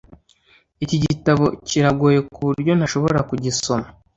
Iki gitabo kiragoye kuburyo ntashobora kugisoma